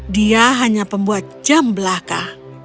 dia hanya pembuat jam belaka